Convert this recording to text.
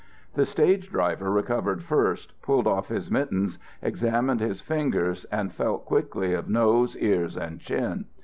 The stage driver recovered first, pulled off his mittens, examined his fingers and felt quickly of nose, ears, and chin.